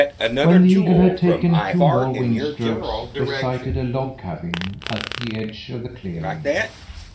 When the eagle had taken two more wing strokes, they sighted a log cabin at the edge of the clearing.